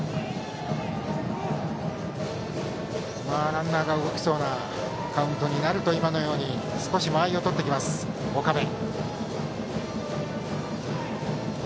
ランナーが動きそうなカウントになると、今のように少し間合いを取ってきます岡部。